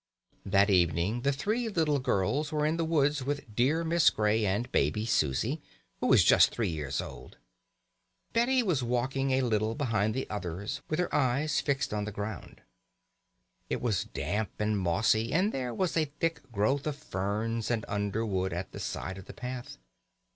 That evening the three little girls were in the woods with dear Miss Grey and baby Susie, who was just three years old. Betty was walking a little behind the others with her eyes fixed on the ground. It was damp and mossy, and there was a thick growth of ferns and underwood at the side of the path.